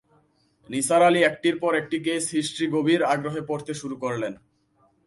নিসার আলি একটির পর একটি কেইস হিস্ট্রি গভীর আগ্রহে পড়তে শুরু করলেন।